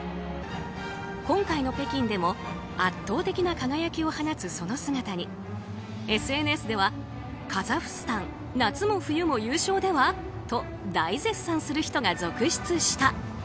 今回の北京でも圧倒的な輝きを放つ、その姿にＳＮＳでは、カザフスタン夏も冬も優勝では？と大絶賛する人が続出した。